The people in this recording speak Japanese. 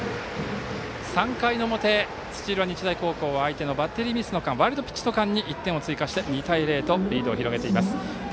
３回の表、土浦日大高校は相手のバッテリーミスの間ワイルドピッチの間に１点を追加して２対０とリード。